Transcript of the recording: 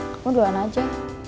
kamu duluan aja